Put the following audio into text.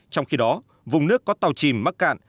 trong khi đó vùng nước có tàu chìm mắc cạn